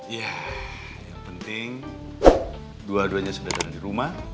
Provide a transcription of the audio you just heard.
ya yang penting dua duanya sudah ada di rumah